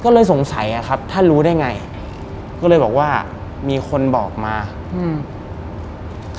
ก็เลยสงสัยอ่ะครับท่านรู้ได้ไงก็เลยบอกว่ามีคนบอกมาอืม